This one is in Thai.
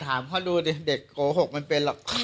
ถามเขาดูดิเด็กโกหกมันเป็นหรอก